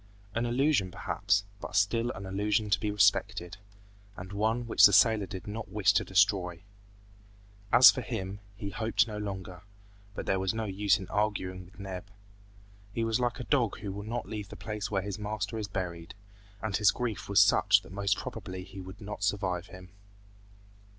An illusion perhaps, but still an illusion to be respected, and one which the sailor did not wish to destroy. As for him, he hoped no longer, but there was no use in arguing with Neb. He was like the dog who will not leave the place where his master is buried, and his grief was such that most probably he would not survive him.